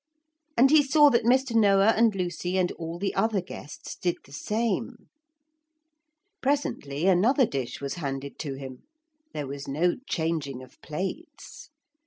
And he saw that Mr. Noah and Lucy and all the other guests did the same. Presently another dish was handed to him. There was no changing of plates.